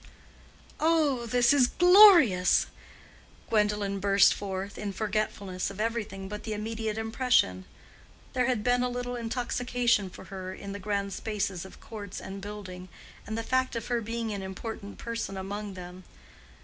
"Oh, this is glorious!" Gwendolen burst forth, in forgetfulness of everything but the immediate impression: there had been a little intoxication for her in the grand spaces of courts and building, and the fact of her being an important person among them.